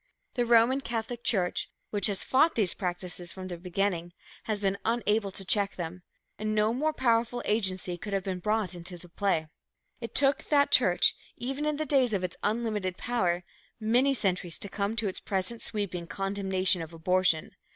The Roman Catholic church, which has fought these practices from the beginning, has been unable to check them; and no more powerful agency could have been brought into play. It took that church, even in the days of its unlimited power, many centuries to come to its present sweeping condemnation of abortion.